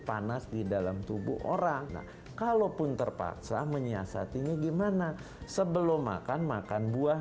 panas di dalam tubuh orang nah kalaupun terpaksa menyiasatinya gimana sebelum makan makan buah